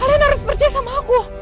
kalian harus percaya sama aku